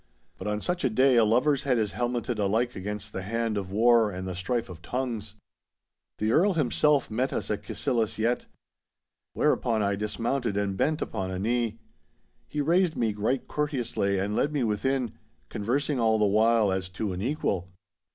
But on such a day a lover's head is helmeted alike against the hand of war and the strife of tongues. The Earl himself met us at Cassillis Yett. Whereupon I dismounted and bent upon a knee. He raised me right courteously and led me within, conversing all the while as to an equal.